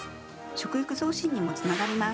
食欲増進にもつながります。